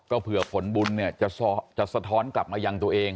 ก็เผื่อผลบุญจะสะท้อนกลับมาอย่างตัวเอง